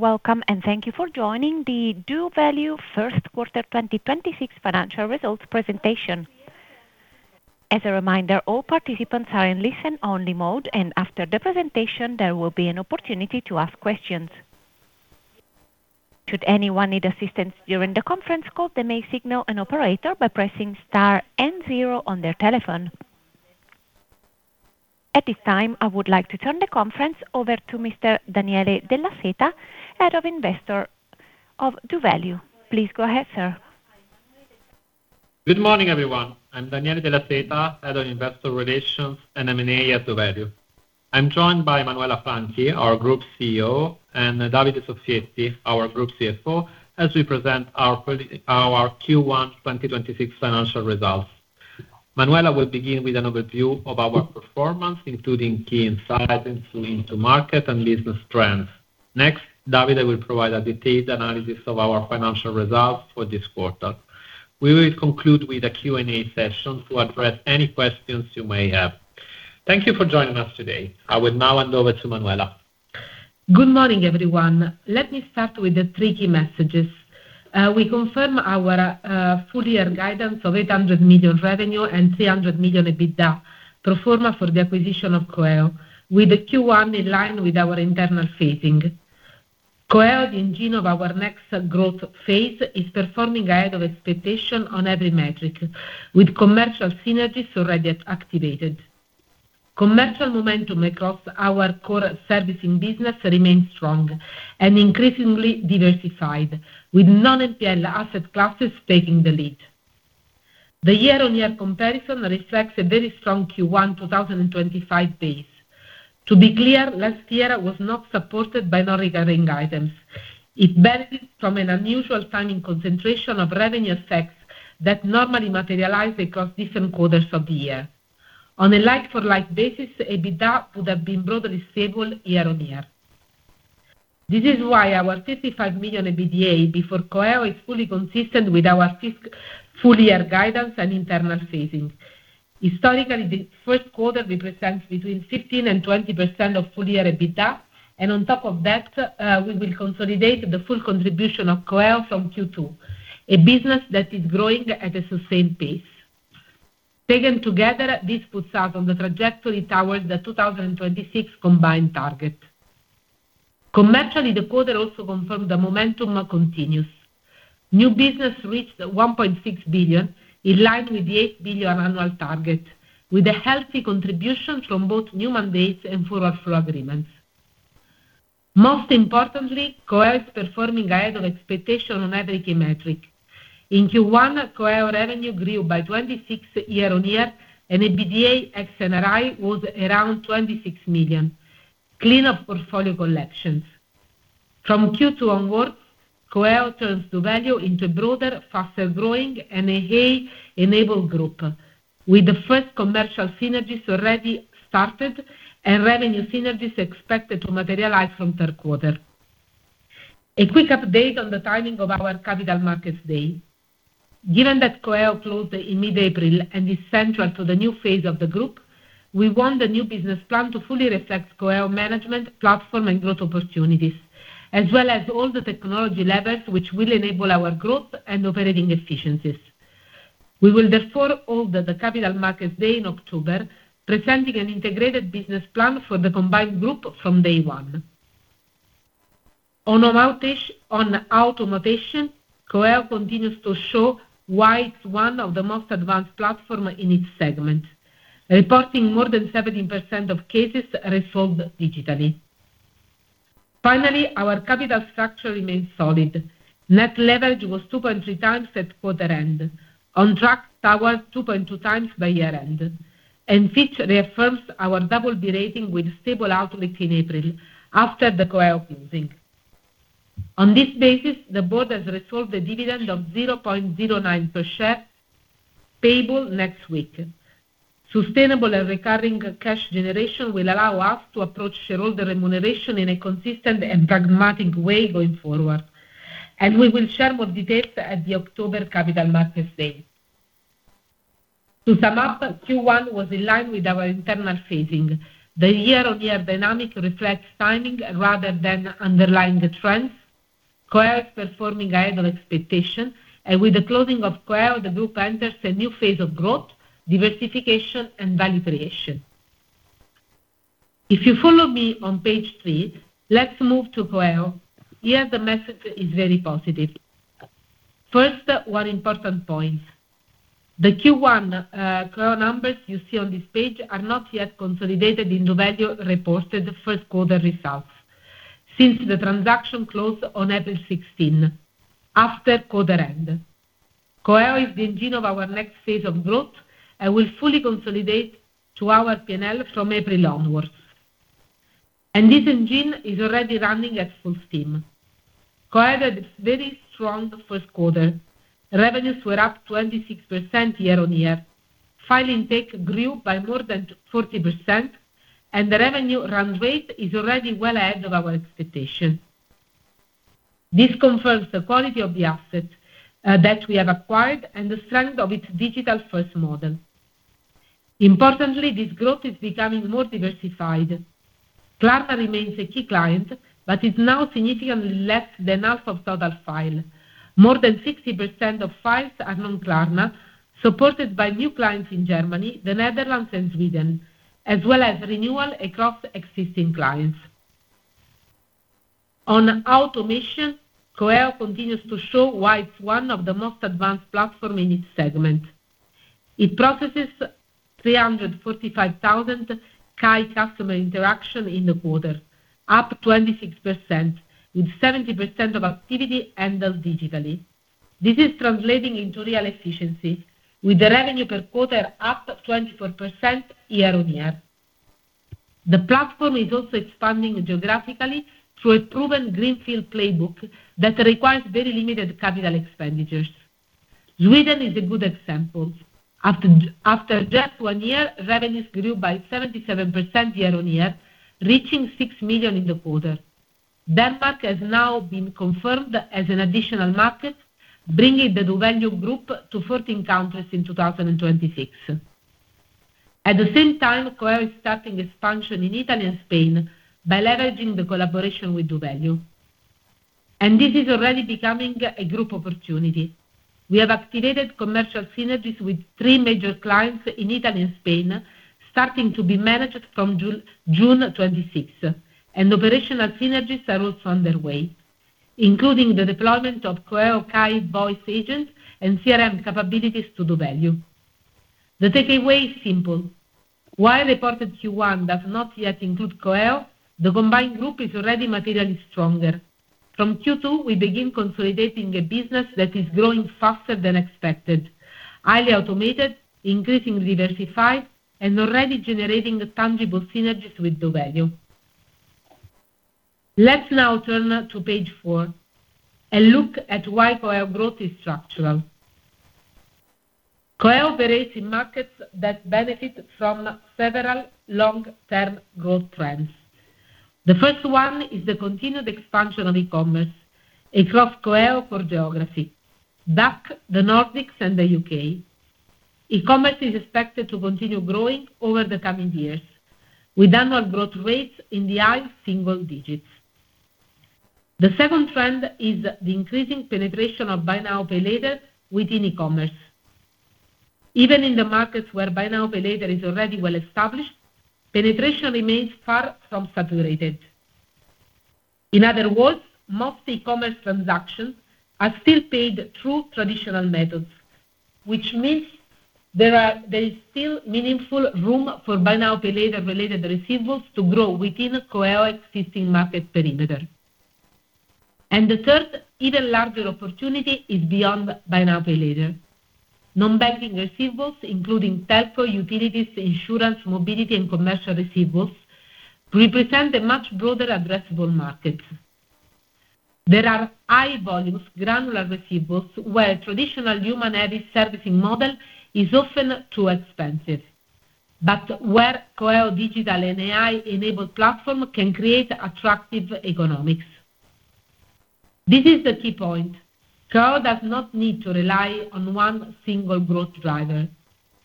Welcome, and thank you for joining the doValue first quarter 2026 financial results presentation. As a reminder all participants are on a listen only mode and after the presentation there will be opportunity to ask questions. Could anyone need assistance during conference call they may signal operator by pressing star and zero on their telephone. At this time, I would like to turn the conference over to Mr. Daniele Della Seta, Head of Investor of doValue. Please go ahead, sir. Good morning, everyone. I'm Daniele Della Seta, Head of Investor Relations and M&A at doValue. I'm joined by Manuela Franchi, our Group CEO, and Davide Soffietti, our Group CFO, as we present our Q1 2026 financial results. Manuela will begin with an overview of our performance, including key insights into market and business trends. Next, Davide will provide a detailed analysis of our financial results for this quarter. We will conclude with a Q&A session to address any questions you may have. Thank you for joining us today. I will now hand over to Manuela. Good morning, everyone. Let me start with the three key messages. We confirm our full year guidance of 800 million revenue and 300 million EBITDA, pro forma for the acquisition of coeo, with the Q1 in line with our internal phasing. coeo, the engine of our next growth phase, is performing ahead of expectation on every metric, with commercial synergies already activated. Commercial momentum across our core servicing business remains strong and increasingly diversified, with non-NPL asset classes taking the lead. The year-on-year comparison reflects a very strong Q1 2025 base. To be clear, last year was not supported by non-recurring items. It benefits from an unusual timing concentration of revenue effects that normally materialize across different quarters of the year. On a like-for-like basis, EBITDA would have been broadly stable year-on-year. This is why our 55 million EBITDA before coeo is fully consistent with our full year guidance and internal phasing. Historically, the first quarter represents between 15% and 20% of full year EBITDA. On top of that, we will consolidate the full contribution of coeo from Q2, a business that is growing at a sustained pace. Taken together, this puts us on the trajectory towards the 2026 combined target. Commercially, the quarter also confirmed the momentum continues. New business reached 1.6 billion, in line with the 8 billion annual target, with a healthy contribution from both new mandates and forward flow agreements. Most importantly, coeo is performing ahead of expectation on every key metric. In Q1, coeo revenue grew by 26% year-on-year, and EBITDA ex NRI was around 26 million, clean of portfolio collections. From Q2 onwards, coeo turns doValue into broader, faster growing and an [AI-enabled] group, with the first commercial synergies already started and revenue synergies expected to materialize from third quarter. A quick update on the timing of our Capital Markets week. Given that coeo closed in mid-April and is central to the new phase of the group, we want the new business plan to fully reflect coeo management platform and growth opportunities, as well as all the technology levers which will enable our growth and operating efficiencies. We will therefore hold the Capital Markets week in October, presenting an integrated business plan for the combined group from day one. On automation, coeo continues to show why it's one of the most advanced platform in its segment, reporting more than 17% of cases resolved digitally. Finally, our capital structure remains solid. Net leverage was 2.3x at quarter end, on track towards 2.2x by year end. Fitch reaffirmed our BB rating with stable outlook in April after the coeo closing. On this basis, the board has resolved a dividend of 0.09 per share, payable next week. Sustainable and recurring cash generation will allow us to approach shareholder remuneration in a consistent and pragmatic way going forward. We will share more details at the October Capital Markets Day. To sum up, Q1 was in line with our internal phasing. The year-on-year dynamic reflects timing rather than underlying trends. coeo is performing ahead of expectation. With the closing of coeo, the group enters a new phase of growth, diversification, and value creation. If you follow me on page three, let's move to coeo. Here, the message is very positive. First, one important point. The Q1 coeo numbers you see on this page are not yet consolidated in doValue reported first quarter results since the transaction closed on April 16, after quarter end. coeo is the engine of our next phase of growth and will fully consolidate to our P&L from April onwards. This engine is already running at full steam. coeo had a very strong first quarter. Revenues were up 26% year-on-year. File intake grew by more than 40%, the revenue run rate is already well ahead of our expectation. This confirms the quality of the asset that we have acquired and the strength of its digital-first model. Importantly, this growth is becoming more diversified. Klarna remains a key client, is now significantly less than half of total file. More than 60% of files are non-Klarna, supported by new clients in Germany, the Netherlands, and Sweden, as well as renewal across existing clients. On automation, coeo continues to show why it's one of the most advanced platform in its segment. It processes 345,000 KAI customer interaction in the quarter, up 26%, with 70% of activity handled digitally. This is translating into real efficiency, with the revenue per quarter up 24% year-on-year. The platform is also expanding geographically through a proven greenfield playbook that requires very limited CapEx. Sweden is a good example. After just one year, revenues grew by 77% year-on-year, reaching 6 million in the quarter. Denmark has now been confirmed as an additional market, bringing the doValue group to 14 countries in 2026. At the same time, coeo is starting expansion in Italy and Spain by leveraging the collaboration with doValue, this is already becoming a group opportunity. We have activated commercial synergies with three major clients in Italy and Spain, starting to be managed from June 26th, operational synergies are also underway, including the deployment of coeo KAI voice agent and CRM capabilities to doValue. The takeaway is simple. While reported Q1 does not yet include coeo, the combined group is already materially stronger. From Q2, we begin consolidating a business that is growing faster than expected, highly automated, increasingly diversified, and already generating tangible synergies with doValue. Let's now turn to page four and look at why coeo growth is structural. coeo operates in markets that benefit from several long-term growth trends. The first one is the continued expansion of e-commerce across coeo core geography, DACH, the Nordics, and the U.K. E-commerce is expected to continue growing over the coming years, with annual growth rates in the high single digits. The second trend is the increasing penetration of buy now, pay later within e-commerce. Even in the markets where buy now, pay later is already well established, penetration remains far from saturated. In other words, most e-commerce transactions are still paid through traditional methods, which means there is still meaningful room for Buy Now, Pay Later related receivables to grow within coeo existing market perimeter. The third even larger opportunity is beyond buy now, pay later. Non-banking receivables, including telco, utilities, insurance, mobility, and commercial receivables represent a much broader addressable market. There are high volumes, granular receivables, where traditional human-heavy servicing model is often too expensive. Where coeo digital and AI-enabled platform can create attractive economics. This is the key point. coeo does not need to rely on one single growth driver.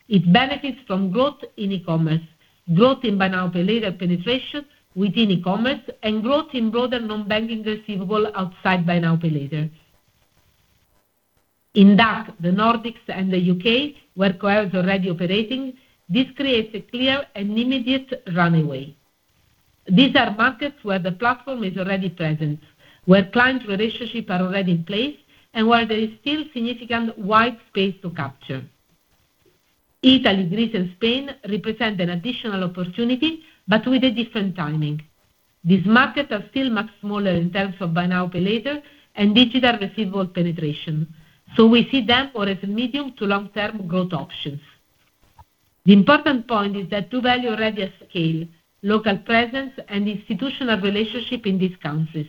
It benefits from growth in e-commerce, growth in Buy Now, Pay Later penetration within e-commerce, and growth in broader non-banking receivable outside buy now, pay later. In DACH, the Nordics, and the U.K., where coeo is already operating, this creates a clear and immediate runway. These are markets where the platform is already present, where client relationship are already in place, and where there is still significant wide space to capture. Italy, Greece, and Spain represent an additional opportunity, but with a different timing. These markets are still much smaller in terms of Buy Now, Pay Later and digital receivable penetration, so we see them more as a medium to long-term growth options. The important point is that doValue already has scale, local presence, and institutional relationship in these countries.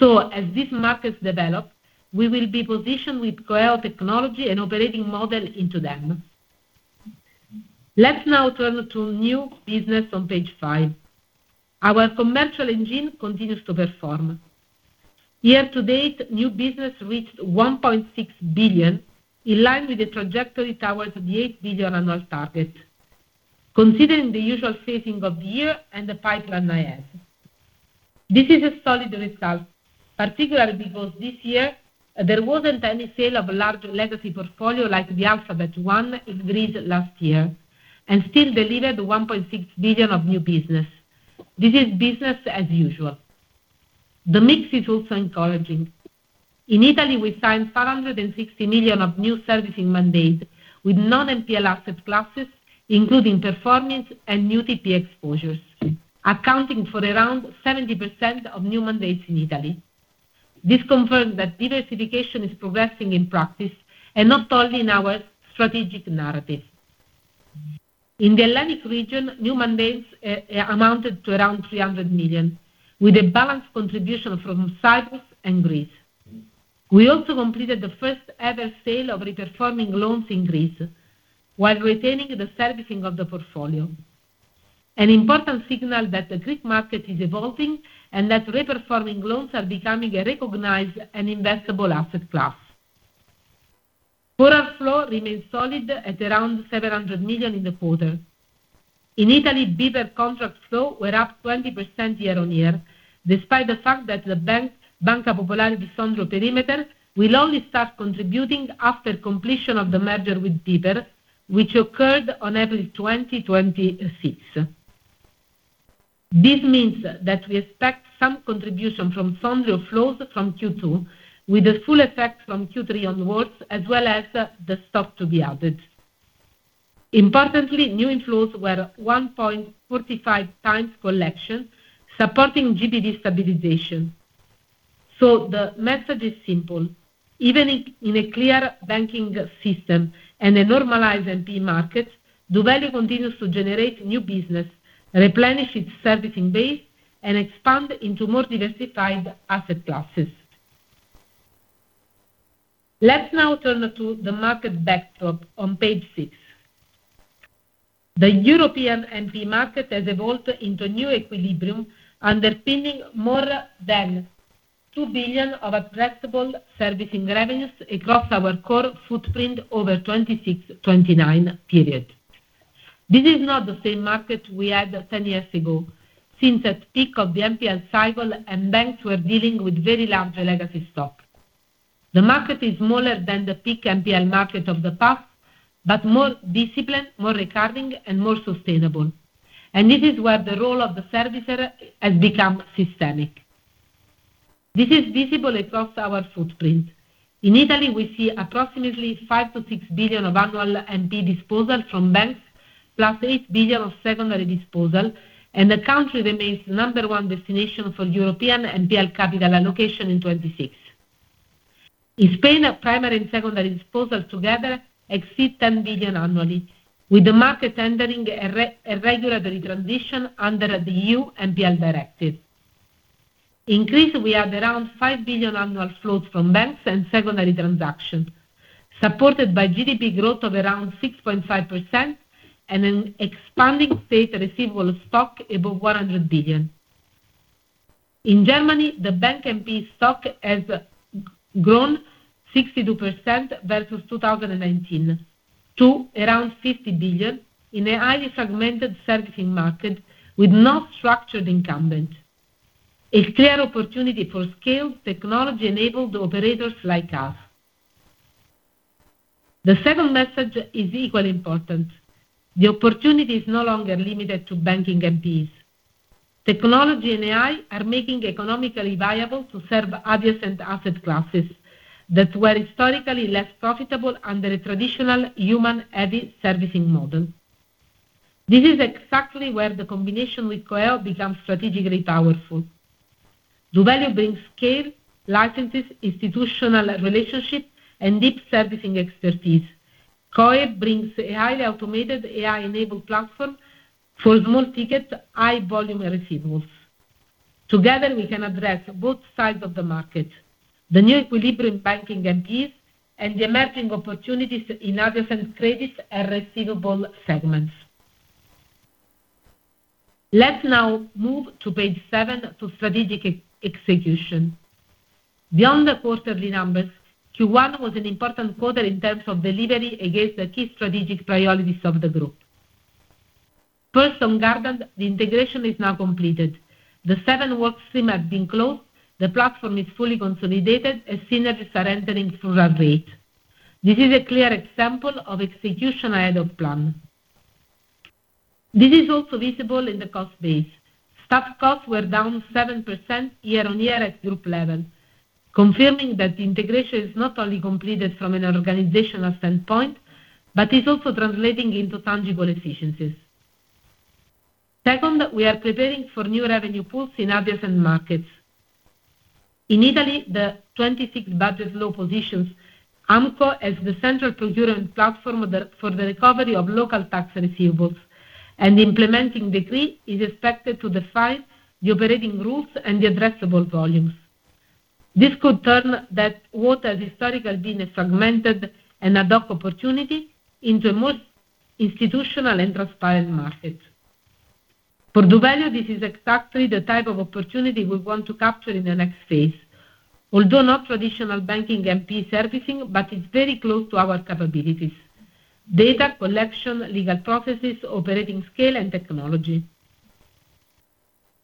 As these markets develop, we will be positioned with coeo technology and operating model into them. Let's now turn to new business on page five. Our commercial engine continues to perform. year-to-date, new business reached 1.6 billion, in line with the trajectory towards the 8 billion annual target. Considering the usual phasing of the year and the pipeline I have, this is a solid result, particularly because this year there wasn't any sale of large legacy portfolio like the Project Alpha I in Greece last year, and still delivered 1.6 billion of new business. This is business as usual. The mix is also encouraging. In Italy, we signed 560 million of new servicing mandate with non-NPL asset classes, including reperforming and new UTP exposures, accounting for around 70% of new mandates in Italy. This confirms that diversification is progressing in practice and not only in our strategic narrative. In the Hellenic region, new mandates amounted to around 300 million, with a balanced contribution from Cyprus and Greece. We also completed the first-ever sale of reperforming loans in Greece while retaining the servicing of the portfolio. An important signal that the Greek market is evolving and that reperforming loans are becoming a recognized and investable asset class. Forward flow remains solid at around 700 million in the quarter. In Italy, BPER contract flow were up 20% year-on-year, despite the fact that the bank, Banca Popolare di Sondrio perimeter will only start contributing after completion of the merger with BPER, which occurred on April 2026. This means that we expect some contribution from Sondrio flows from Q2, with the full effect from Q3 onwards, as well as the stock to be added. Importantly, new inflows were 1.45x collection, supporting GBV stabilization. The method is simple. Even in a clearer banking system and a normalized NPL market, doValue continues to generate new business, replenish its servicing base, and expand into more diversified asset classes. Let's now turn to the market backdrop on page six. The European NPL market has evolved into a new equilibrium, underpinning more than 2 billion of addressable servicing revenues across our core footprint over 2026-2029 period. This is not the same market we had 10 years ago, since at peak of the NPL cycle and banks were dealing with very large legacy stock. The market is smaller than the peak NPL market of the past, more disciplined, more recurring, and more sustainable. This is where the role of the servicer has become systemic. This is visible across our footprint. In Italy, we see approximately 5 billion-6 billion of annual NP disposal from banks, +8 billion of secondary disposal, and the country remains number one destination for European NPL capital allocation in 2026. In Spain, our primary and secondary disposals together exceed 10 billion annually, with the market entering a regulatory transition under the EU NPL Directive. In Greece, we have around 5 billion annual flows from banks and secondary transactions, supported by GDP growth of around 6.5% and an expanding state receivable stock above 100 billion. In Germany, the bank NP stock has grown 62% versus 2019 to around 50 billion in a highly fragmented servicing market with no structured incumbent. A clear opportunity for scaled technology-enabled operators like us. The second message is equally important. The opportunity is no longer limited to banking NPs. Technology and AI are making economically viable to serve adjacent asset classes that were historically less profitable under a traditional human-heavy servicing model. This is exactly where the combination with coeo becomes strategically powerful. doValue brings scale, licenses, institutional relationships, and deep servicing expertise. coeo brings a highly automated AI-enabled platform for small ticket, high volume receivables. Together, we can address both sides of the market, the new equilibrium banking NPs, and the emerging opportunities in adjacent credits and receivable segments. Let's now move to page seven to strategic ex-execution. Beyond the quarterly numbers, Q1 was an important quarter in terms of delivery against the key strategic priorities of the group. First, on Gardant, the integration is now completed. The seven workstream have been closed, the platform is fully consolidated, and synergies are entering through our rate. This is a clear example of execution ahead of plan. This is also visible in the cost base. Staff costs were down 7% year-on-year at group level, confirming that the integration is not only completed from an organizational standpoint, but is also translating into tangible efficiencies. Second, we are preparing for new revenue pools in adjacent markets. In Italy, the 2026 Budget Law positions AMCO as the central procurement platform for the recovery of local tax receivables, and the implementing decree is expected to decide the operating rules and the addressable volumes. This could turn what has historically been a fragmented and ad hoc opportunity into a more institutional and transparent market. For doValue, this is exactly the type of opportunity we want to capture in the next phase. Although not traditional banking NPL servicing, but it's very close to our capabilities. Data collection, legal processes, operating scale, and technology.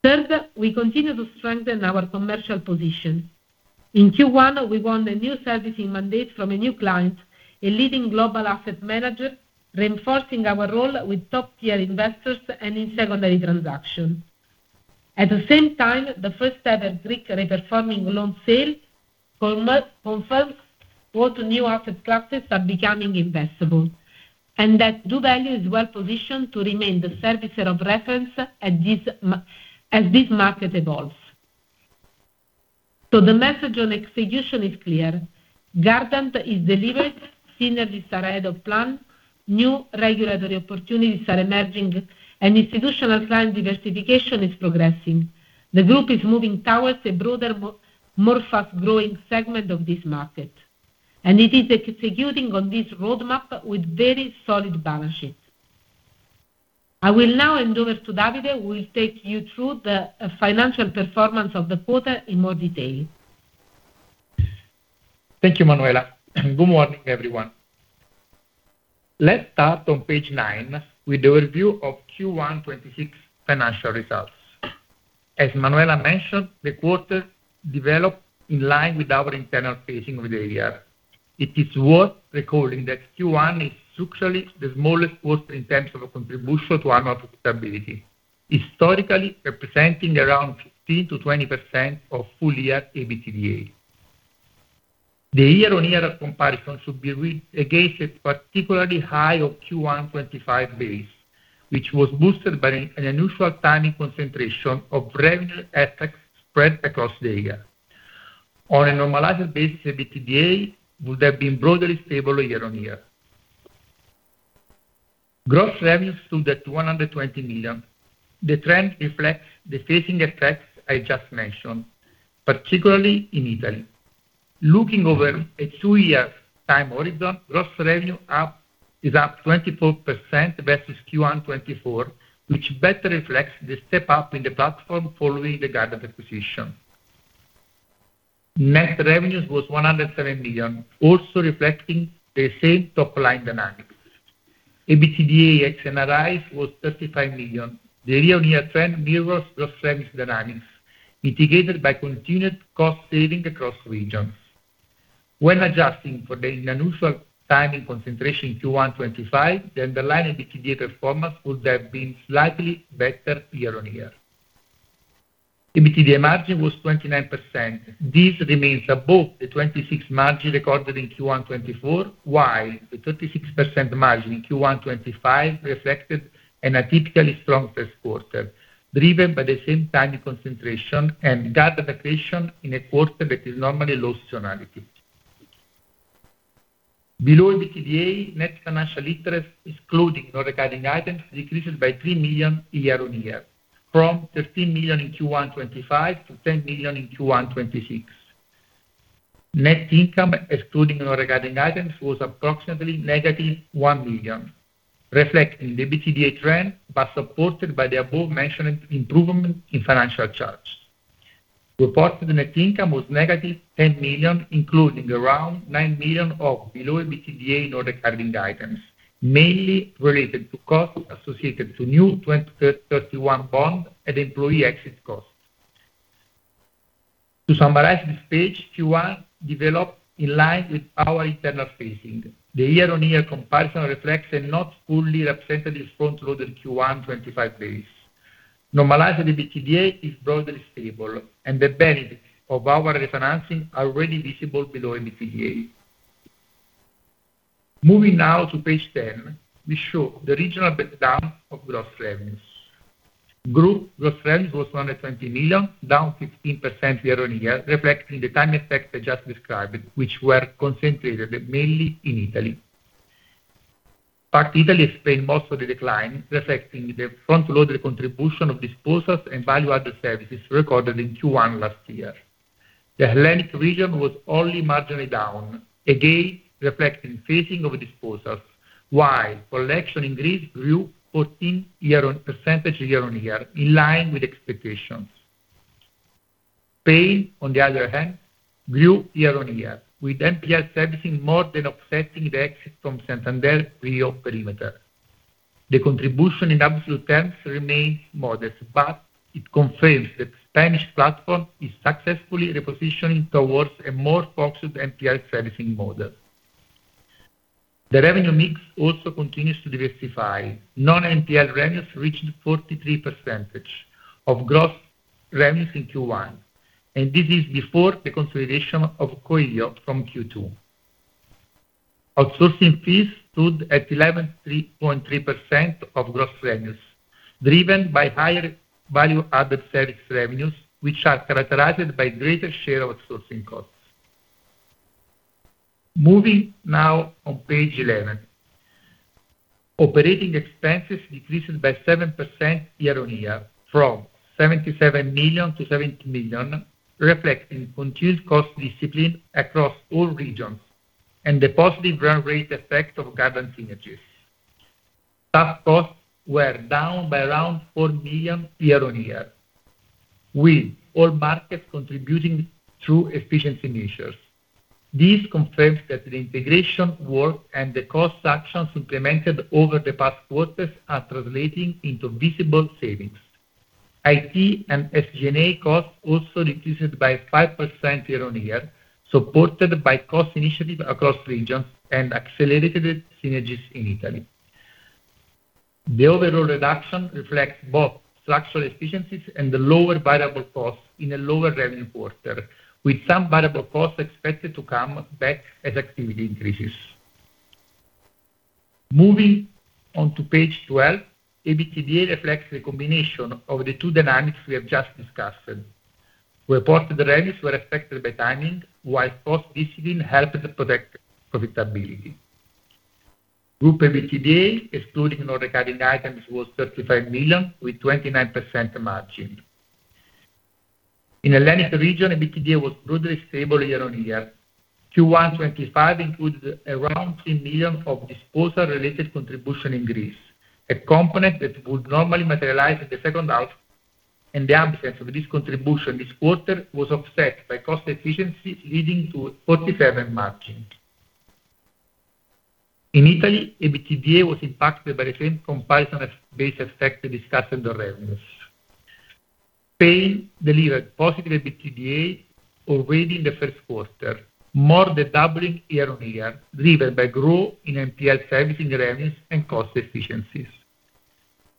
Third, we continue to strengthen our commercial position. In Q1, we won a new servicing mandate from a new client, a leading global asset manager, reinforcing our role with top-tier investors and in secondary transactions. At the same time, the first ever Greek reperforming loan sale confirms both new asset classes are becoming investable, and that doValue is well-positioned to remain the servicer of reference as this market evolves. The message on execution is clear. Gardant is delivered, synergies are ahead of plan, new regulatory opportunities are emerging, and institutional client diversification is progressing. The group is moving towards a broader more fast-growing segment of this market. It is executing on this roadmap with very solid balance sheets. I will now hand over to Davide, who will take you through the financial performance of the quarter in more detail. Thank you, Manuela. Good morning, everyone. Let's start on page nine with the review of Q1 2026 financial results. As Manuela mentioned, the quarter developed in line with our internal phasing of the year. It is worth recalling that Q1 is structurally the smallest quarter in terms of contribution to annual profitability, historically representing around 15%-20% of full year EBITDA. The year-on-year comparison should be read against a particularly high of Q1 2025 base, which was boosted by an unusual timing concentration of revenue effects spread across the year. On a normalized basis, EBITDA would have been broadly stable year-on-year. Gross revenues stood at 120 million. The trend reflects the phasing effects I just mentioned, particularly in Italy. Looking over a two-year time horizon, gross revenue is up 24% versus Q1 2024, which better reflects the step up in the platform following the Gardant acquisition. Net revenues was 107 million, also reflecting the same top-line dynamics. EBITDA ex NRI was EUR 35 million. The year-over-year trend mirrors gross revenues dynamics, mitigated by continued cost saving across regions. When adjusting for the unusual timing concentration in Q1 2025, the underlying EBITDA performance would have been slightly better year-over-year. EBITDA margin was 29%. This remains above the 26% margin recorded in Q1 2024, while the 36% margin in Q1 2025 reflected an atypically strong first quarter, driven by the same timing concentration and Gardant accretion in a quarter that is normally low seasonality. Below EBITDA, net financial interest excluding non-recurring items decreases by 3 million year-on-year, from 13 million in Q1 2025 to 10 million in Q1 2026. Net income excluding non-recurring items was approximately negative 1 million, reflecting the EBITDA trend but supported by the above-mentioned improvement in financial charge. Reported net income was -10 million, including around 9 million of below EBITDA non-recurring items, mainly related to costs associated to new 2031 bond and employee exit costs. To summarize this page, Q1 developed in line with our internal phasing. The year-on-year comparison reflects a not fully representative front-loaded Q1 2025 base. Normalized EBITDA is broadly stable, and the benefits of our refinancing are already visible below EBITDA. Moving now to page 10, we show the regional breakdown of gross revenues. Group gross revenues was 120 million, down 15% year-on-year, reflecting the timing effects I just described, which were concentrated mainly in Italy. Italy explained most of the decline, reflecting the front-loaded contribution of disposals and value-added services recorded in Q1 last year. The Hellenic region was only marginally down, again reflecting phasing of disposals, while collection in Greece grew 14% year-on-year in line with expectations. Spain, on the other hand, grew year-on-year, with NPL servicing more than offsetting the exit from Santander REO perimeter. The contribution in absolute terms remains modest, it confirms that Spanish platform is successfully repositioning towards a more focused NPL servicing model. The revenue mix also continues to diversify. Non-NPL revenues reached 43% of gross revenues in Q1, this is before the consolidation of coeo from Q2. Outsourcing fees stood at 11.3% of gross revenues, driven by higher value-added service revenues, which are characterized by greater share of outsourcing costs. Moving now on page 11. Operating expenses decreased by 7% year-over-year from 77 million-70 million, reflecting continued cost discipline across all regions and the positive run rate effect of Gardant synergies. Staff costs were down by around 4 million year-over-year, with all markets contributing through efficiency measures. This confirms that the integration work and the cost actions implemented over the past quarters are translating into visible savings. IT and SGA costs also decreased by 5% year-over-year, supported by cost initiatives across regions and accelerated synergies in Italy. The overall reduction reflects both structural efficiencies and the lower variable costs in a lower revenue quarter, with some variable costs expected to come back as activity increases. Moving on to page 12, EBITDA reflects the combination of the two dynamics we have just discussed. Reported revenues were affected by timing, while cost discipline helped protect profitability. Group EBITDA excluding non-recurring items was 35 million with 29% margin. In Hellenic region, EBITDA was broadly stable year-on-year. Q1 2025 included around 3 million of disposal related contribution in Greece, a component that would normally materialize in the second half. In the absence of this contribution, this quarter was offset by cost efficiency, leading to 47% margin. In Italy, EBITDA was impacted by the same comparison base effect discussed under revenues. Spain delivered positive EBITDA already in the first quarter, more than doubling year-on-year, driven by growth in NPL servicing revenues and cost efficiencies.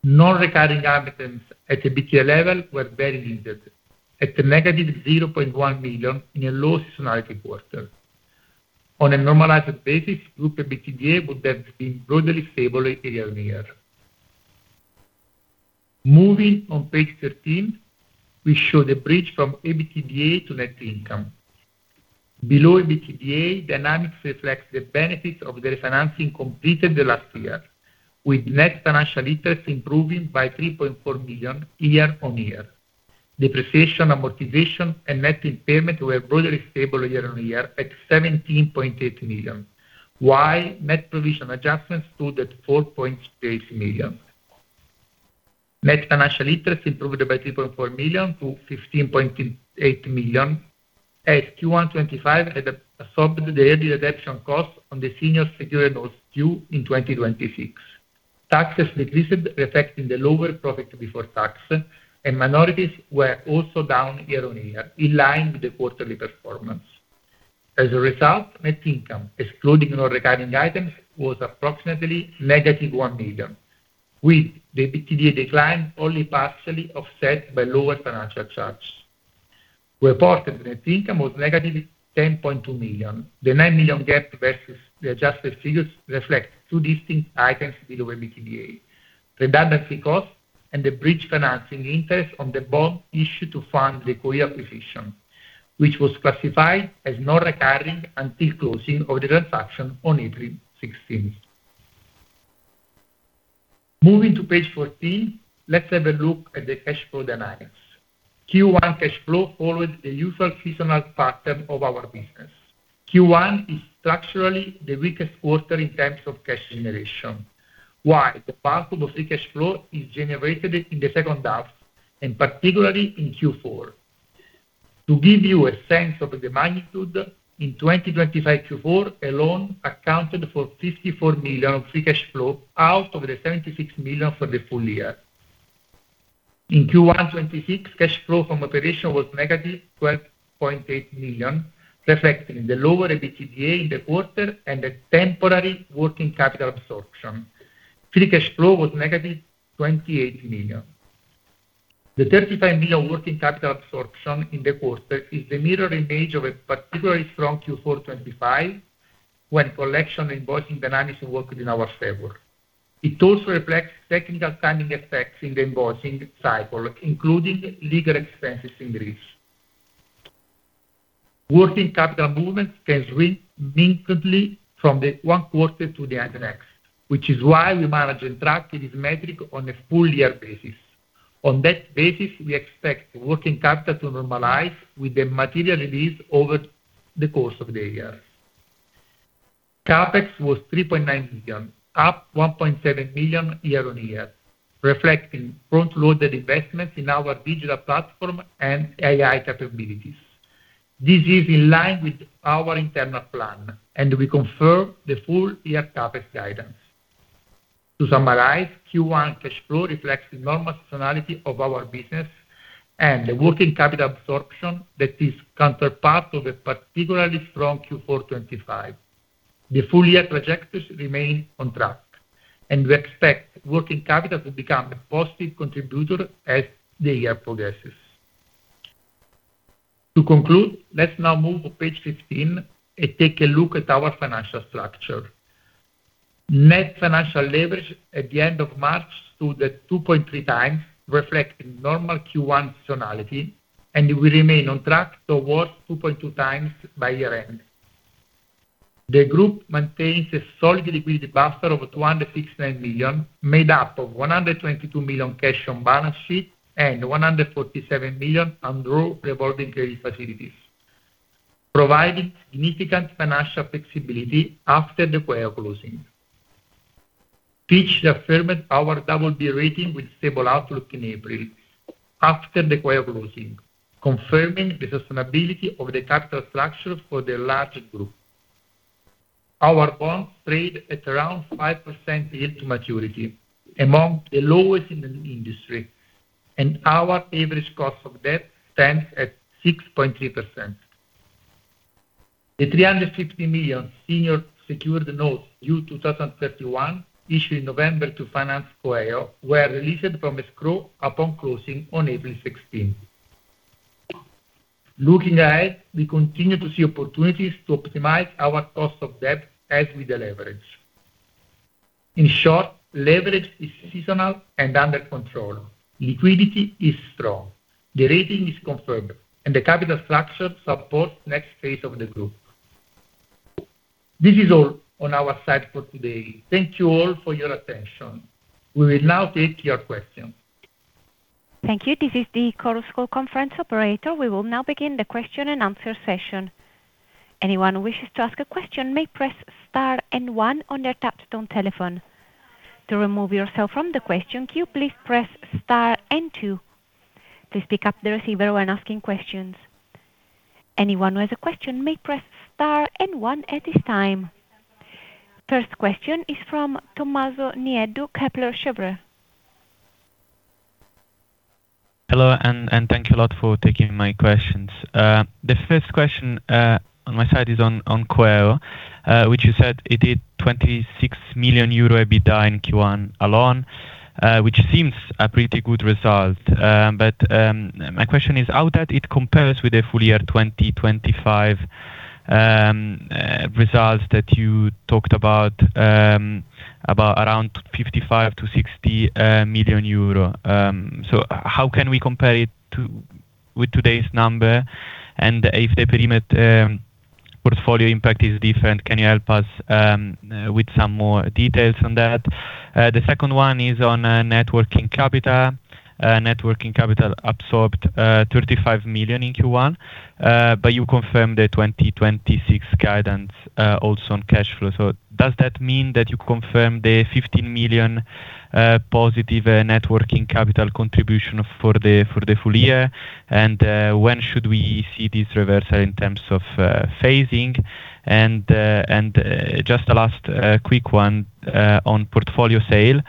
Non-recurring items at EBITDA level were very limited, at a -0.1 million in a low seasonality quarter. On a normalized basis, group EBITDA would have been broadly stable year-over-year. Moving on page 13, we show the bridge from EBITDA to net income. Below EBITDA, dynamics reflects the benefits of the refinancing completed the last year, with net financial interest improving by 3.4 million year-over-year. Depreciation, amortization, and net impairment were broadly stable year-over-year at 17.8 million, while net provision adjustments stood at 4.8 million. Net financial interest improved by 3.4 million-15.8 million as Q1 2025 had absorbed the early redemption costs on the senior secured notes due in 2026. Taxes decreased, reflecting the lower profit before tax. Minorities were also down year-over-year, in line with the quarterly performance. As a result, net income, excluding non-recurring items, was approximately -1 million, with the EBITDA decline only partially offset by lower financial charge. Reported net income was -10.2 million. The 9 million gap versus the adjusted figures reflect two distinct items below EBITDA: redundancy costs and the bridge financing interest on the bond issued to fund the coeo acquisition, which was classified as non-recurring until closing of the transaction on April 16th. Moving to page 14, let's have a look at the cash flow dynamics. Q1 cash flow followed the usual seasonal pattern of our business. Q1 is structurally the weakest quarter in terms of cash generation, while the bulk of the free cash flow is generated in the second half, and particularly in Q4. To give you a sense of the magnitude, in 2025 Q4 alone accounted for 54 million of free cash flow out of the 76 million for the full year. In Q1 2026, cash flow from operation was -12.8 million, reflecting the lower EBITDA in the quarter and the temporary working capital absorption. Free cash flow was -28 million. The 35 million working capital absorption in the quarter is the mirror image of a particularly strong Q4 2025, when collection and invoicing dynamics worked in our favor. It also reflects technical timing effects in the invoicing cycle, including legal expenses in Greece. Working capital movements can swing significantly from the one quarter to the next, which is why we manage and track this metric on a full year basis. On that basis, we expect working capital to normalize with the material release over the course of the year. CapEx was 3.9 million, up 1.7 million year-on-year, reflecting front-loaded investments in our digital platform and AI capabilities. This is in line with our internal plan. We confirm the full-year CapEx guidance. To summarize, Q1 cash flow reflects the normal seasonality of our business and the working capital absorption that is counterpart of a particularly strong Q4 2025. The full year trajectories remain on track. We expect working capital to become a positive contributor as the year progresses. To conclude, let's now move to page 15 and take a look at our financial structure. Net financial leverage at the end of March stood at 2.3x, reflecting normal Q1 seasonality. We remain on track towards 2.2x by year-end. The group maintains a solid liquidity buffer of 269 million, made up of 122 million cash on balance sheet and 147 million undrawn revolving credit facilities, providing significant financial flexibility after the coeo closing. Fitch affirmed our BB rating with stable outlook in April after the coeo closing, confirming the sustainability of the capital structure for the larger group. Our bonds trade at around 5% yield to maturity, among the lowest in the industry, and our average cost of debt stands at 6.3%. The 350 million senior secured notes due 2031 issued in November to finance coeo were released from escrow upon closing on April 16th. Looking ahead, we continue to see opportunities to optimize our cost of debt as we deleverage. In short, leverage is seasonal and under control. Liquidity is strong. The rating is confirmed, and the capital structure supports next phase of the group. This is all on our side for today. Thank you all for your attention. We will now take your questions. Thank you. This is the conference call operator and will now begin the question-and-answer session. Anyone who wish to ask question may press star and one on your touchtone telephone. To remove yourself from the question queue please press star and two. Please pick up handset while asking questions. Anyone with question may press star and one at this time. First question is from Tommaso Nieddu, Kepler Cheuvreux. Hello, and thank you a lot for taking my questions. The first question on my side is on coeo, which you said it did 26 million euro EBITDA in Q1 alone, which seems a pretty good result. My question is how that it compares with the full year 2025 results that you talked about around 55 million-60 million euro. How can we compare it with today's number? If the perimeter portfolio impact is different, can you help us with some more details on that? The second one is on net working capital. Net working capital absorbed 35 million in Q1, but you confirmed the 2026 guidance also on cash flow. Does that mean that you confirm the 15 million positive net working capital contribution for the full year? When should we see this reversal in terms of phasing? Just a last quick one on portfolio sale,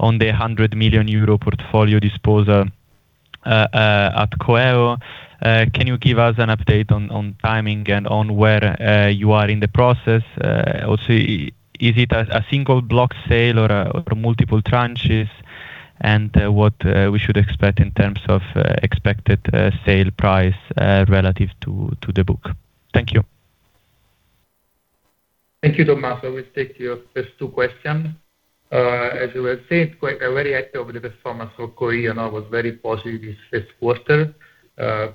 on the 100 million euro portfolio disposal at coeo. Can you give us an update on timing and on where you are in the process? Also, is it a single block sale or multiple tranches? What we should expect in terms of expected sale price relative to the book? Thank you. Thank you, Tommaso. We'll take your first two question. As you will see, it's quite a very active performance for coeo, and was very positive this first quarter.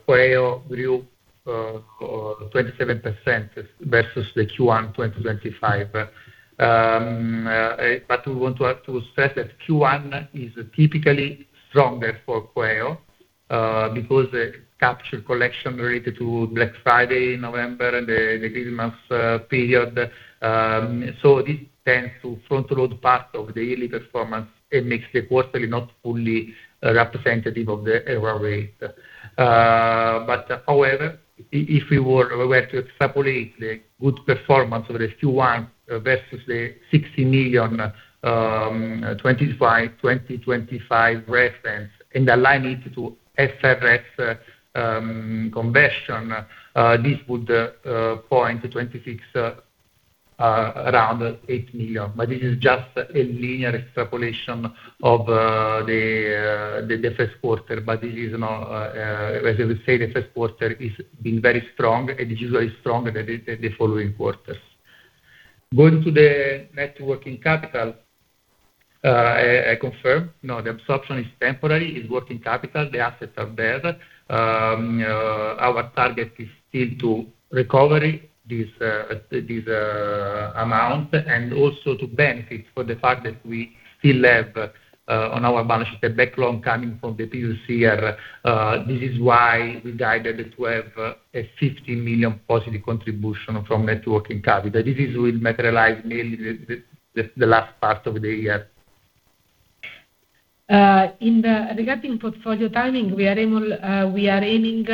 coeo grew 27% versus the Q1 2025. We want to stress that Q1 is typically stronger for coeo because the capture collection related to Black Friday in November and the Christmas period. This tends to front load part of the yearly performance. It makes the quarterly not fully representative of the annual rate. However, if we were to extrapolate the good performance of this Q1 versus the 60 million 2025 reference and align it to IFRS conversion, this would point to 2026, around 8 million. This is just a linear extrapolation of the first quarter, but it is not. The first quarter is been very strong, and it is very stronger than the following quarters. Going to the net working capital, I confirm. No, the absorption is temporary. It's working capital. The assets are there. Our target is still to recovery this amount and also to benefit for the fact that we still have on our balance sheet, the backlog coming from the previous year. This is why we guided it to have a 50 million positive contribution from net working capital. This will materialize mainly the last part of the year. Regarding portfolio timing, we are aiming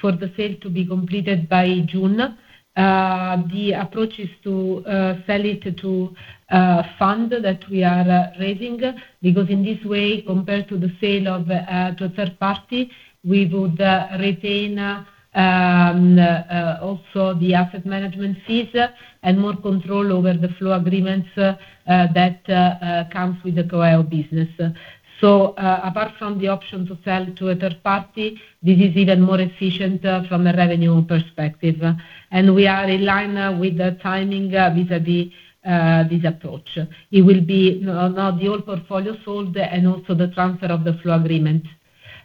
for the sale to be completed by June. The approach is to sell it to a fund that we are raising because in this way, compared to the sale of to a third party, we would retain also the asset management fees and more control over the flow agreements that comes with the coeo business. Apart from the option to sell to a third party, this is even more efficient from a revenue perspective. We are in line with the timing vis-à-vis this approach. It will be now the old portfolio sold and also the transfer of the flow agreement.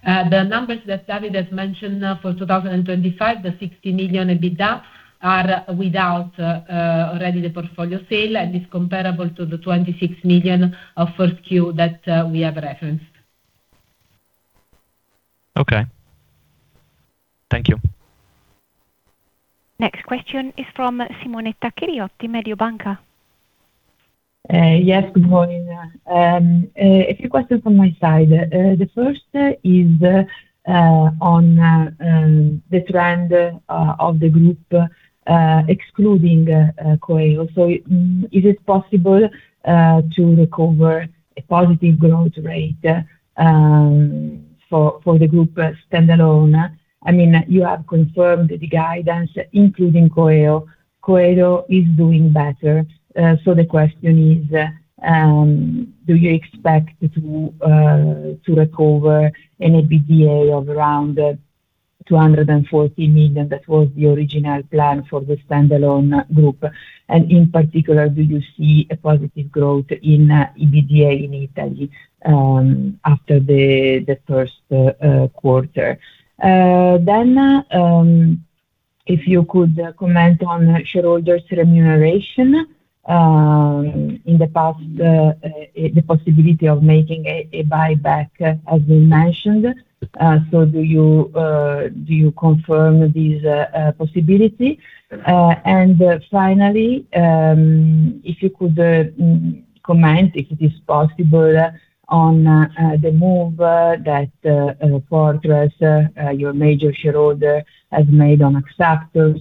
The numbers that Davide has mentioned, for 2025, the 60 million EBITDA are without already the portfolio sale and is comparable to the 26 million of 1Q that we have referenced. Okay. Thank you. Next question is from Simonetta Chiriotti, Mediobanca. Yes, good morning. A few questions from my side. The first is on the trend of the group excluding coeo. Is it possible to recover a positive growth rate for the group standalone? I mean, you have confirmed the guidance including coeo. coeo is doing better. The question is, do you expect to recover an EBITDA of around 240 million? That was the original plan for the standalone group. In particular, do you see a positive growth in EBITDA in Italy after the first quarter? Dan If you could comment on shareholders remuneration, in the past, the possibility of making a buyback as we mentioned. Do you confirm this possibility? Finally, if you could comment if it is possible on the move that Fortress, your major shareholder has made on Axactor.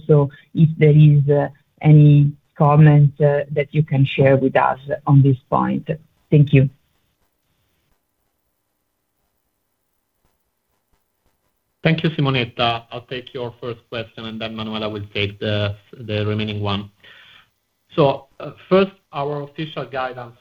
If there is any comment that you can share with us on this point. Thank you. Thank you, Simonetta. I'll take your first question, and then Manuela will take the remaining one. First, our official guidance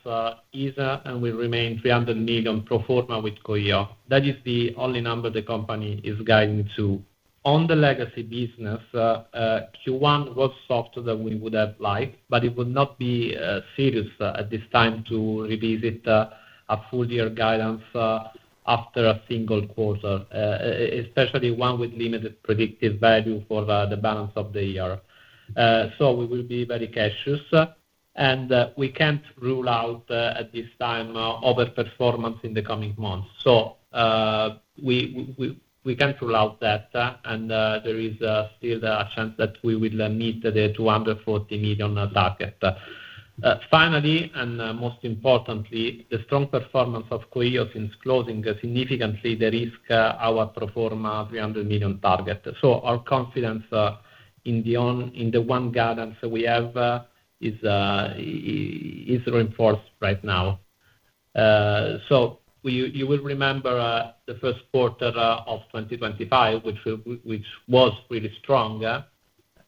is and will remain 300 million pro forma with coeo. That is the only number the company is guiding to. On the legacy business, Q1 was softer than we would have liked, but it would not be serious at this time to revisit a full year guidance after a single quarter, especially one with limited predictive value for the balance of the year. We will be very cautious and we can't rule out at this time over performance in the coming months. We can't rule out that there is still a chance that we will meet the 240 million target. Finally, most importantly, the strong performance of coeo since closing significantly de-risk our pro forma 300 million target. Our confidence in the one guidance we have is reinforced right now. You will remember the first quarter of 2025, which was really strong,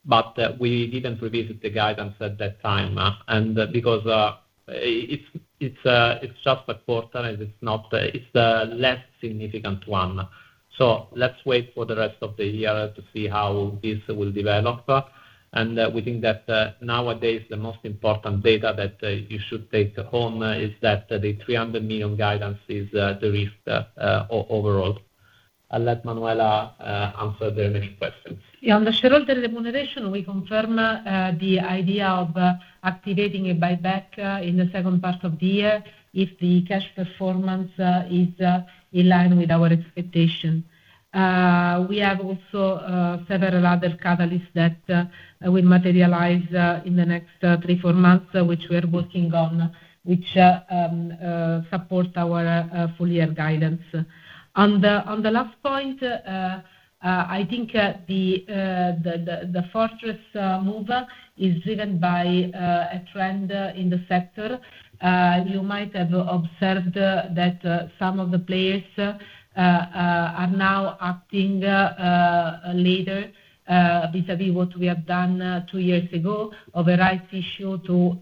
but we didn't revisit the guidance at that time. Because it's just a quarter, and it's not a less significant one. Let's wait for the rest of the year to see how this will develop. We think that nowadays, the most important data that you should take home is that the 300 million guidance is de-risked, overall. I'll let Manuela answer the next question. On the shareholder remuneration, we confirm the idea of activating a buyback in the second part of the year if the cash performance is in line with our expectation. We have also several other catalysts that will materialize in the next three, four months, which we are working on, which support our full year guidance. On the last point, I think the Fortress move is driven by a trend in the sector. You might have observed that some of the players are now acting later vis-à-vis what we have done two years ago of a rights issue to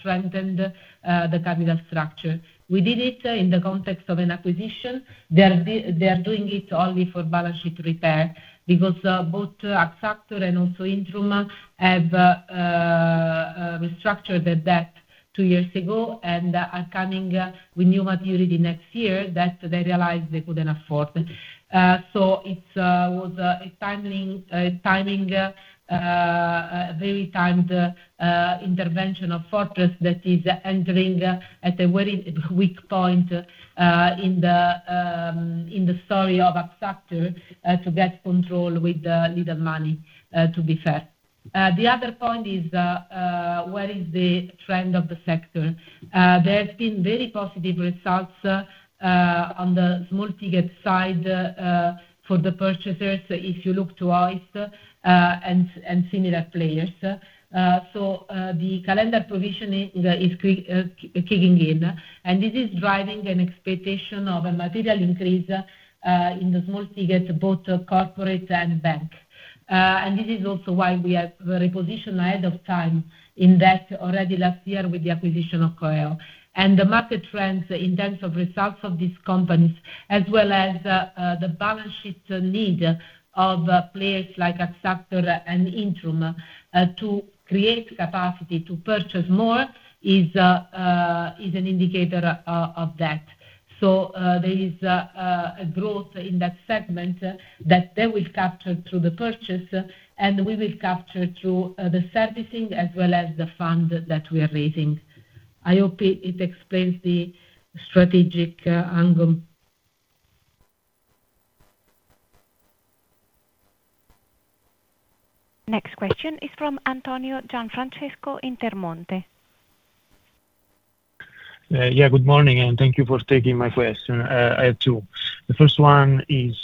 strengthen the capital structure. We did it in the context of an acquisition. They are doing it only for balance sheet repair because both Axactor and also Intrum have restructured their debt two years ago and are coming with new maturity next year that they realized they couldn't afford. So it's was a timing, a very timed intervention of Fortress that is entering at a very weak point in the story of Axactor to get control with little money to be fair. The other point is where is the trend of the sector? There have been very positive results on the small ticket side for the purchasers, if you look to ICE and similar players. The calendar provision is kicking in, and this is driving an expectation of a material increase in the small ticket, both corporate and bank. This is also why we have very positioned ahead of time in that already last year with the acquisition of coeo. The market trends in terms of results of these companies as well as the balance sheet need of players like Axactor and Intrum to create capacity to purchase more is an indicator of that. There is a growth in that segment that they will capture through the purchase, and we will capture through the servicing as well as the fund that we are raising. I hope it explains the strategic angle. Next question is from Antonio Gianfrancesco Intermonte. Yeah, good morning, and thank you for taking my question. I have two. The first one is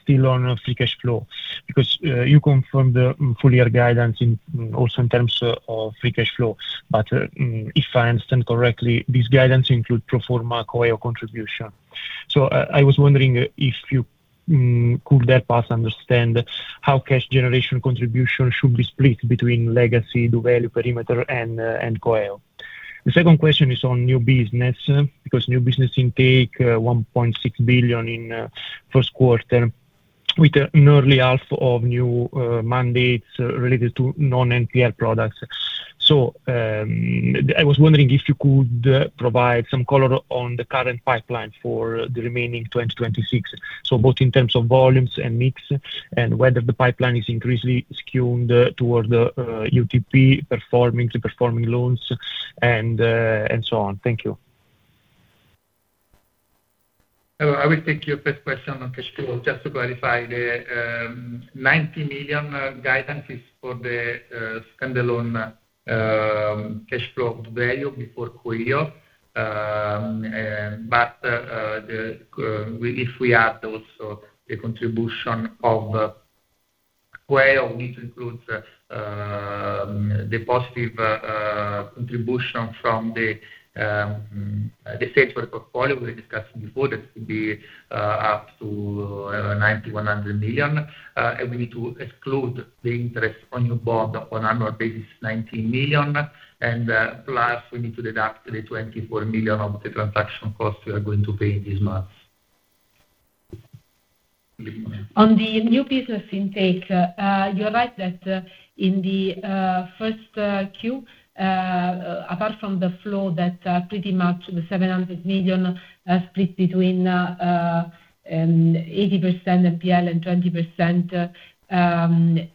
still on free cash flow because you confirmed the full year guidance in also in terms of free cash flow. If I understand correctly, this guidance include pro forma coeo contribution. I was wondering if you could help us understand how cash generation contribution should be split between legacy, doValue perimeter and coeo. The second question is on new business, because new business intake, 1.6 billion in first quarter with nearly half of new mandates related to non-NPL products. I was wondering if you could provide some color on the current pipeline for the remaining 2026. Both in terms of volumes and mix, and whether the pipeline is increasingly skewed toward the UTP performing, the performing loans and so on. Thank you. I will take your first question on cash flow. Just to clarify the 90 million guidance is for the standalone cash flow value before coeo. If we add also the contribution of coeo, which includes the positive contribution from the central portfolio we discussed before, that could be up to 90 million-100 million. We need to exclude the interest on your board on annual basis, 90 million, and plus we need to deduct the 24 million of the transaction cost we are going to pay this month. On the new business intake, you're right that, in the 1Q, apart from the flow that, pretty much the 700 million are split between 80% NPL and 20%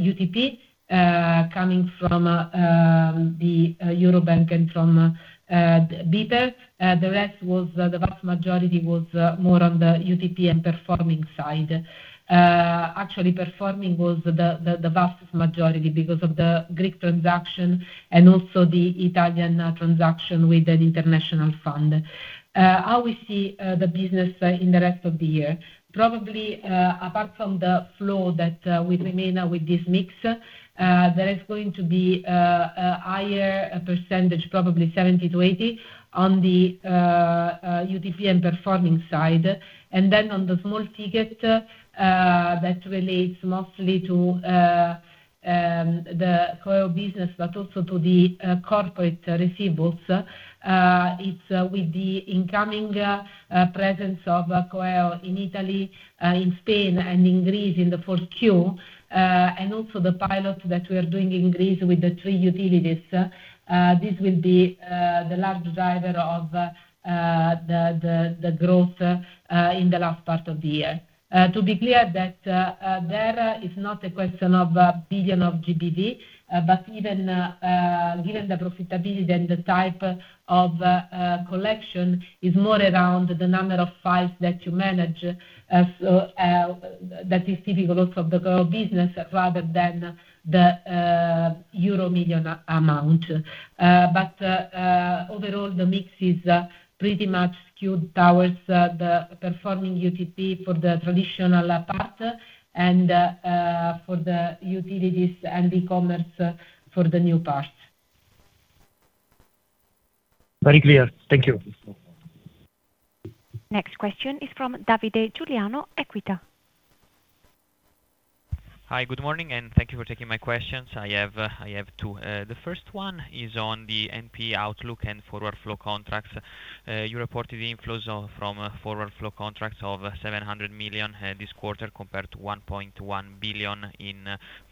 UTP, coming from Eurobank and from BPER. The rest was, the vast majority was, more on the UTP and performing side. Actually performing was the vast majority because of the Greek transaction and also the Italian transaction with an international fund. How we see the business in the rest of the year. Probably, apart from the flow that will remain with this mix, there is going to be a higher percentage, probably 70%-80%, on the UTP and performing side. Then on the small ticket, that relates mostly to the coeo business, but also to the corporate receivables. It's with the incoming presence of coeo in Italy, in Spain, and in Greece in the 4Q, and also the pilot that we are doing in Greece with the three utilities. This will be the large driver of the growth in the last part of the year. To be clear that there is not a question of 1 billion of GDP, but even, given the profitability and the type of collection is more around the number of files that you manage, so that is typical of the coeo business rather than the euro 1 million amount. Overall, the mix is pretty much skewed towards the performing UTP for the traditional part and for the utilities and e-commerce for the new part. Very clear. Thank you. Next question is from Davide Giuliano, Equita. Hi, good morning, and thank you for taking my questions. I have two. The first one is on the NP outlook and forward flow contracts. You reported inflows from forward flow contracts of 700 million this quarter, compared to 1.1 billion in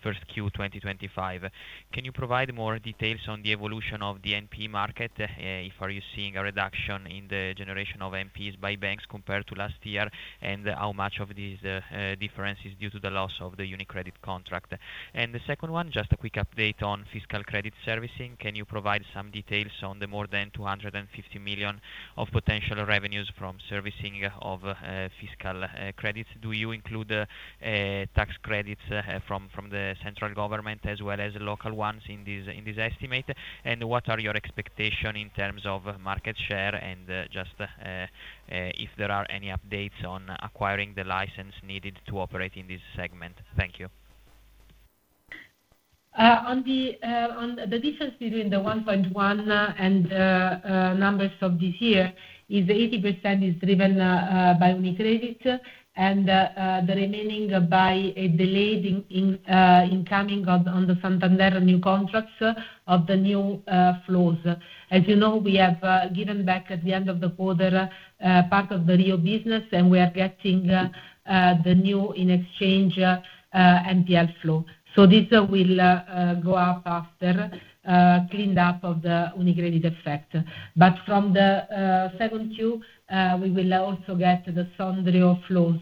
Q1 2025. Can you provide more details on the evolution of the NP market? Are you seeing a reduction in the generation of NPs by banks compared to last year, and how much of this difference is due to the loss of the UniCredit contract? The second one, just a quick update on fiscal credit servicing. Can you provide some details on the more than 250 million of potential revenues from servicing of fiscal credits? Do you include, tax credits, from the central government as well as local ones in this estimate? What are your expectation in terms of market share? Just, if there are any updates on acquiring the license needed to operate in this segment. Thank you. On the on the difference between the 1.1 and numbers of this year is 80% is driven by UniCredit, and the remaining by a delayed incoming on the Santander new contracts of the new flows. As you know, we have given back at the end of the quarter part of the REO business, and we are getting the new in exchange NPL flow. This will go up after cleaned up of the UniCredit effect. From the 2Q, we will also get the Sondrio flows,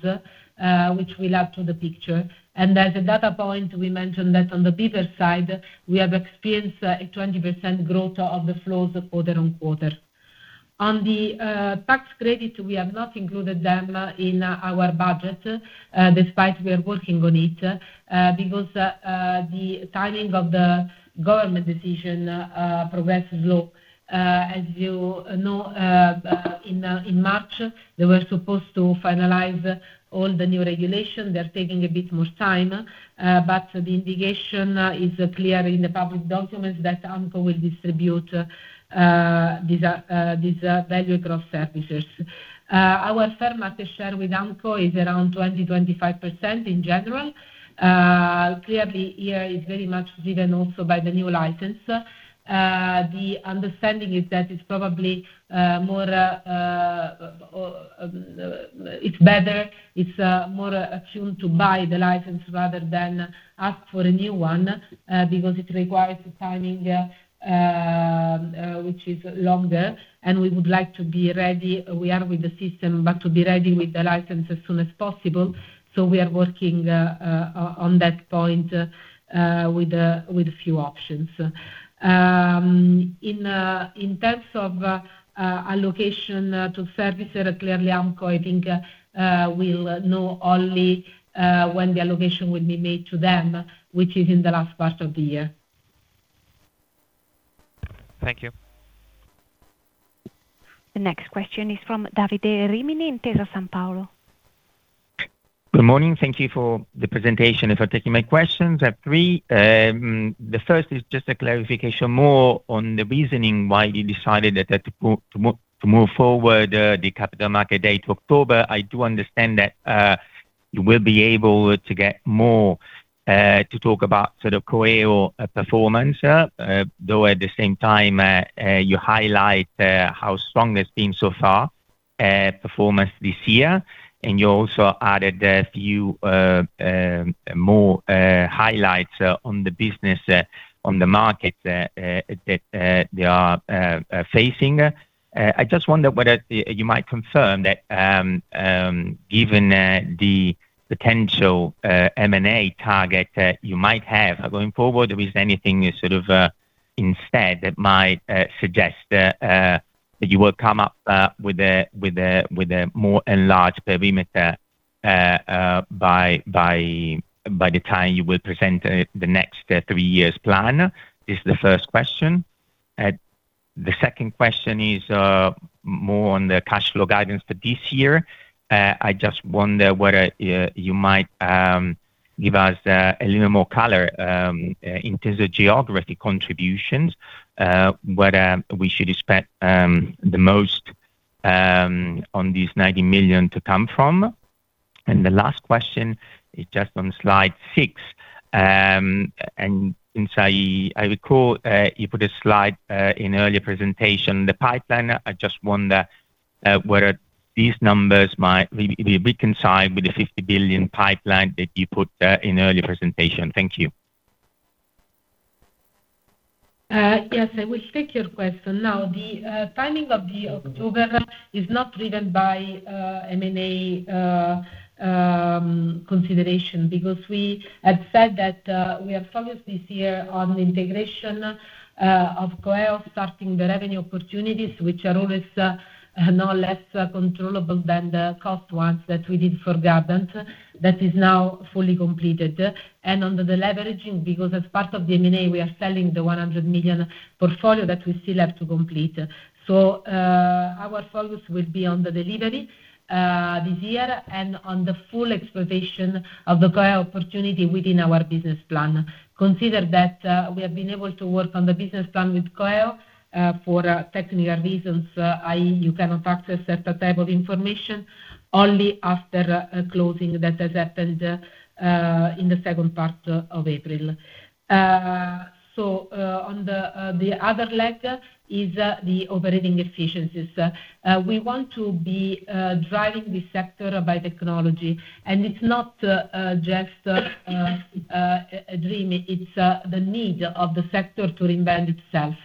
which will add to the picture. As a data point, we mentioned that on the BPER side, we have experienced a 20% growth of the flows quarter-over-quarter. On the tax credit, we have not included them in our budget, despite we are working on it, because the timing of the government decision, progressive law. As you know, in March, they were supposed to finalize all the new regulation. They're taking a bit more time, the indication is clear in the public documents that AMCO will distribute these value growth services. Our fair market share with AMCO is around 20%-25% in general. Clearly, here is very much driven also by the new license. The understanding is that it's probably more, it's better. It's more attuned to buy the license rather than ask for a new one, because it requires a timing which is longer, and we would like to be ready. We are with the system, but to be ready with the license as soon as possible. We are working on that point with a few options. In terms of allocation to services, clearly AMCO, I think, will know only when the allocation will be made to them, which is in the last part of the year. Thank you. The next question is from Davide Rimini, Intesa Sanpaolo. Good morning. Thank you for the presentation and for taking my questions. I have three. The first is just a clarification more on the reasoning why you decided that to move forward the Capital Markets Day to October. I do understand that you will be able to get more to talk about sort of coeo performance, though at the same time, you highlight how strong it's been so far, performance this year, and you also added a few more highlights on the business on the market that they are facing. I just wonder whether you might confirm that, given the potential M&A target that you might have going forward, if there is anything you sort of instead that might suggest that you will come up with a more enlarged perimeter by the time you will present the next three years plan. This is the first question. The second question is more on the cash flow guidance for this year. I just wonder whether you might give us a little more color in terms of geographic contributions, where we should expect the most on these 90 million to come from. The last question is just on slide six. Since I recall, you put a slide in earlier presentation, the pipeline. I just wonder whether these numbers might be reconciled with the 50 billion pipeline that you put in earlier presentation. Thank you. Yes, I will take your question. Now, the timing of the October is not driven by M&A consideration because we had said that we are focused this year on integration of coeo, starting the revenue opportunities, which are always no less controllable than the cost ones that we did for Gardant that is now fully completed. And on the leveraging, because as part of the M&A, we are selling the 100 million portfolio that we still have to complete. Our focus will be on the delivery this year and on the full exploitation of the coeo opportunity within our business plan. Consider that we have been able to work on the business plan with coeo for technical reasons, i.e., you cannot access certain type of information only after closing that has happened in the second part of April. On the other leg is the operating efficiencies. We want to be driving this sector by technology, it's not just a dream. It's the need of the sector to reinvent itself.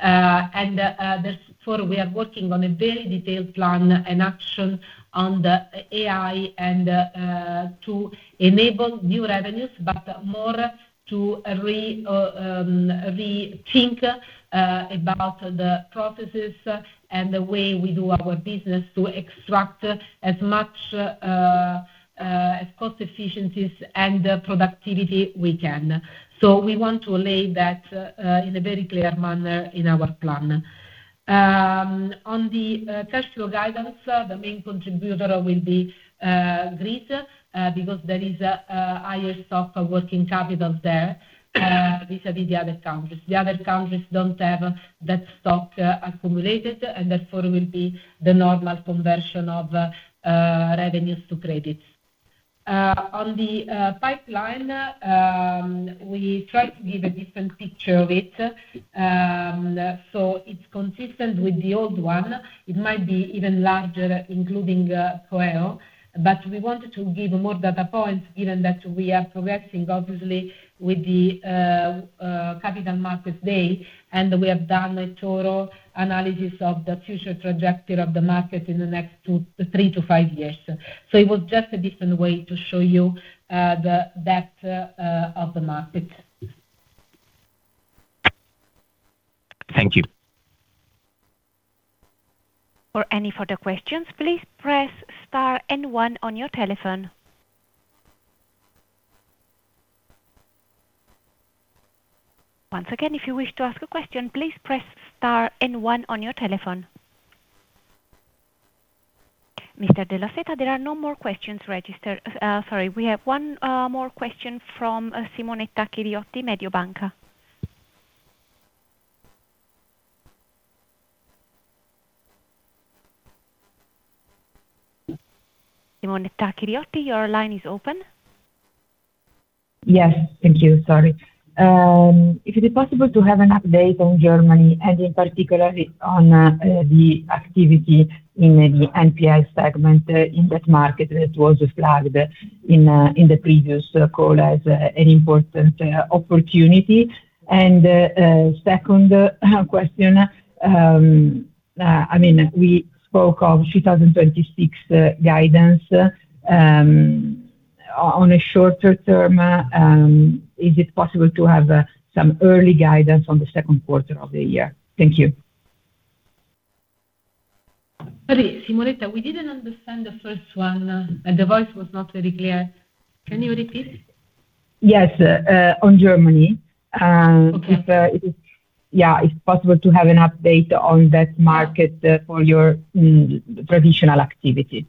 Therefore, we are working on a very detailed plan and action on the AI to enable new revenues, but more to rethink about the processes and the way we do our business to extract as much as cost efficiencies and productivity we can. We want to lay that in a very clear manner in our plan. On the cash flow guidance, the main contributor will be Greece because there is higher stock of working capital there vis-à-vis the other countries. The other countries don't have that stock accumulated, and therefore will be the normal conversion of revenues to credits. On the pipeline, we try to give a different picture of it. It's consistent with the old one. It might be even larger, including coeo. We wanted to give more data points, given that we are progressing, obviously, with the Capital Markets Day, and we have done a total analysis of the future trajectory of the market in the next two, three to five years. It was just a different way to show you the depth of the market. Thank you. For any further questions, please press star and one on your telephone. Once again, if you wish to ask a question, please press star and one on your telephone. Mr. Della Seta, there are no more questions registered. Sorry. We have one more question from Simonetta Chiriotti, Mediobanca. Simonetta Chiriotti, your line is open. Yes. Thank you. Sorry. If it is possible to have an update on Germany, and in particular on the activity in the NPE segment in that market that was flagged in the previous call as an important opportunity. Second question. I mean, we spoke of 2026 guidance. On a shorter term, is it possible to have some early guidance on the second quarter of the year? Thank you. Sorry, Simonetta, we didn't understand the first one. The voice was not very clear. Can you repeat? Yes. on Germany, Okay if Yeah, if possible, to have an update on that market, for your, traditional activity.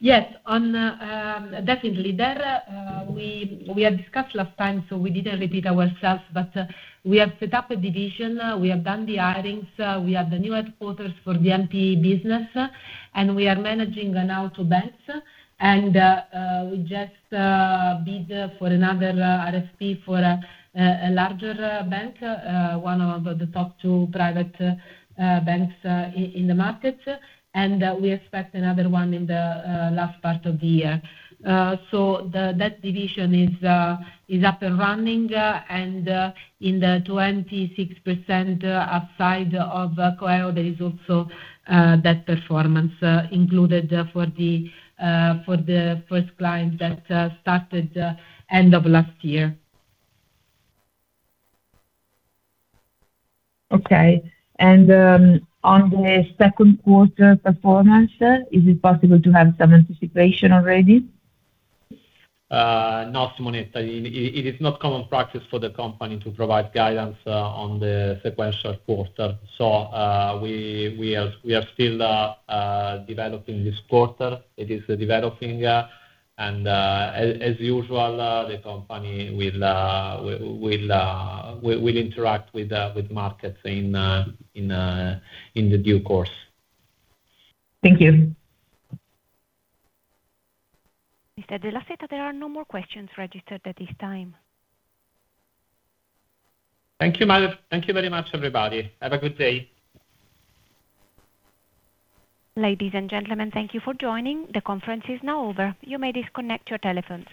Yes. On Definitely. There, we had discussed last time, so we didn't repeat ourselves, but we have set up a division. We have done the hirings. We have the new headquarters for the NPE business, and we are managing now two banks. We just bid for another RFP for a larger bank, one of the top two private banks in the market. We expect another one in the last part of the year. So that division is up and running, and in the 26% upside of coeo, there is also that performance included for the first client that started end of last year. Okay. On the second quarter performance, is it possible to have some anticipation already? No, Simonetta. It is not common practice for the company to provide guidance on the sequential quarter. We are still developing this quarter. It is developing, and as usual, the company will interact with markets in due course. Thank you. Mr. Della Seta, there are no more questions registered at this time. Thank you, Maria. Thank you very much, everybody. Have a good day. Ladies and gentlemen, thank you for joining. The conference is now over. You may disconnect your telephones.